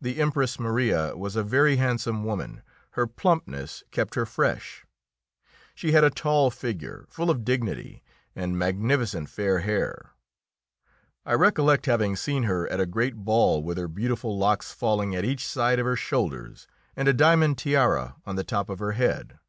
The Empress Maria was a very handsome woman; her plumpness kept her fresh. She had a tall figure, full of dignity, and magnificent fair hair. I recollect having seen her at a great ball with her beautiful locks falling at each side of her shoulders and a diamond tiara on the top of her head.